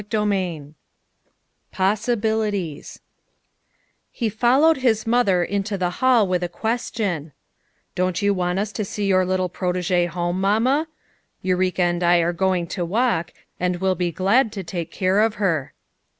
CHAPTER VII POSSIBILITIES He followed Ms mother into the hall with a question: " Don't yon want ns to see your little protegee home, Mamma? Eureka and I are going to walk, and will be glad to take care of her."